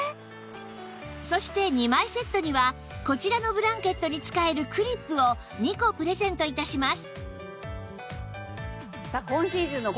そして２枚セットにはこちらのブランケットに使えるクリップを２個プレゼント致します